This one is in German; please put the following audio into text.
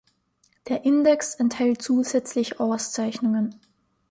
Der Index enthält zusätzlich Auszeichnungen.